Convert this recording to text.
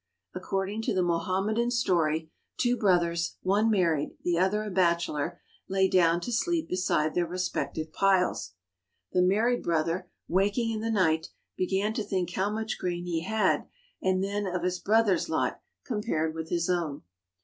Ac cording to the Mohammedan story, two brothers, one married, the other a bachelor, lay down to sleep beside their respective piles. The married brother, waking in the night, began to think how much grain he had and then of his brother's lot compared with his own.